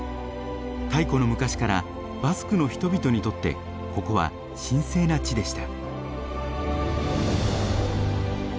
太古の昔からバスクの人々にとってここは神聖な地でした。